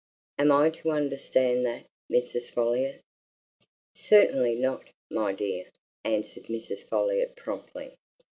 "Am I to understand that, Mrs. Folliot?" "Certainly not, my dear," answered Mrs. Folliot promptly.